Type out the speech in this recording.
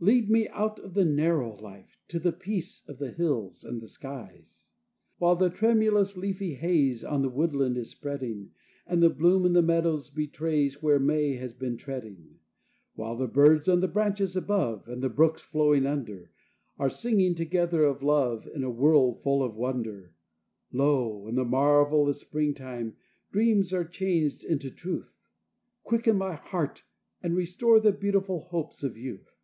Lead me out of the narrow life, to the peace of the hills and the skies. While the tremulous leafy haze on the woodland is spreading, And the bloom on the meadow betrays where May has been treading; While the birds on the branches above, and the brooks flowing under, Are singing together of love in a world full of wonder, (Lo, in the marvel of Springtime, dreams are changed into truth!) Quicken my heart, and restore the beautiful hopes of youth.